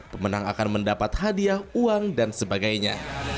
pemenang akan mendapat hadiah uang dan sebagainya